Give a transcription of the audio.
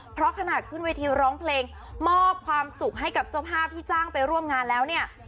เพราะขนาดขึ้นเวทีร้องเพลงมอบความสุขให้กับเจ้าภาพที่จ้างไปร่วมงานแล้วเนี่ย